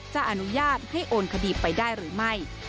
จะอนุญาตให้โอนคดีไปได้หรือไม่